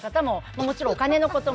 もちろんお金のことも。